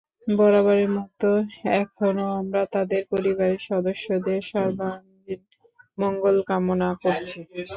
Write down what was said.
বরাবরের মতো এখনো আমরা তাদের পরিবারের সদস্যদের সর্বাঙ্গীণ মঙ্গল কামনা করছি।